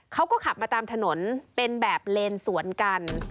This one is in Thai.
เขาก็ขับมาตามถนนเป็นแบบเลนสวนกัน